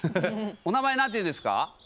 お名前何て言うんですか？